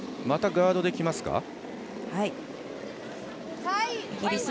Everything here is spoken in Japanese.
またガードできますか？